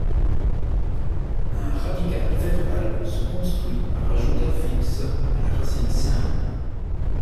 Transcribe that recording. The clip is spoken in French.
Un radical verbal se construit par ajout d'affixes à la racine simple.